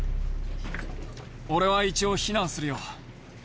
俺は一応避難するよ。